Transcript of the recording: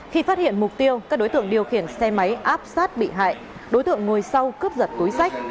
khi phát hiện mục tiêu các đối tượng điều khiển xe máy áp sát bị hại đối tượng ngồi sau cướp giật túi sách